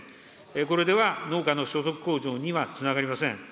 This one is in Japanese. これでは農家の所得向上にはつながりません。